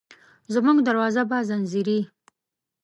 زموږ دروازه به ځینځېرې،